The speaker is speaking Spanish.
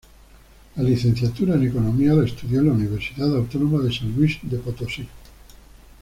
La licenciatura en economía la estudió en la Universidad Autónoma de San Luis Potosí.